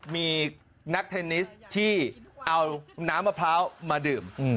มีนักเทนนิสที่เอาน้ำมะพร้าวมาดื่ม